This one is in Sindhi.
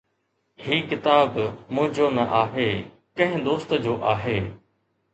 هي ڪتاب منهنجو نه آهي، ڪنهن دوست جو آهي